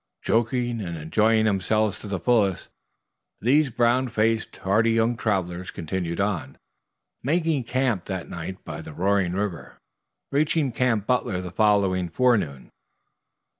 Joking and enjoying themselves to the fullest, these brown faced, hardy young travelers continued on, making camp that night by the roaring river, reaching Camp Butler the following forenoon.